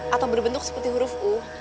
atau berbentuk seperti huruf u